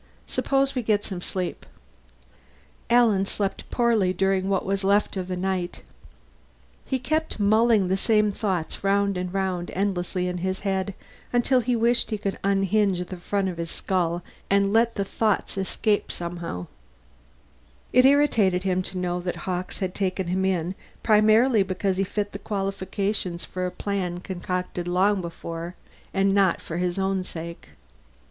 Suppose we get some sleep." Alan slept poorly during what was left of the night. He kept mulling the same thoughts round and round endlessly in his head, until he wished he could unhinge the front of his skull and let the thoughts somehow escape. It irritated him to know that Hawkes had taken him in primarily because he fit the qualifications for a plan concocted long before, and not for his own sake.